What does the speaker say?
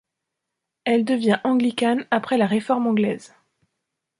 Elle devient anglicane après la Réforme anglaise.